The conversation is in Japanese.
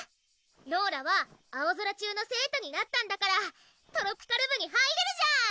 ローラはあおぞら中の生徒になったんだからトロピカる部に入れるじゃん！